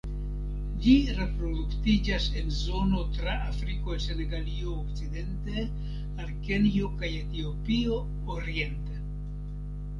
Ĝi reproduktiĝas en zono tra Afriko el Senegalio okcidente al Kenjo kaj Etiopio oriente.